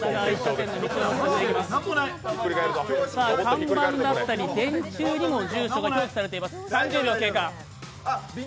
看板だったり電柱にも住所が表記されています。